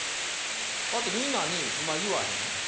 だってみんなに今言わへん？